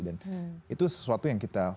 dan itu sesuatu yang kita memiliki